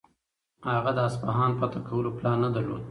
هغه د اصفهان فتح کولو پلان نه درلود.